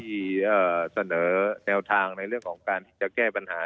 เสนอแนวทางในเรื่องของการที่จะแก้ปัญหา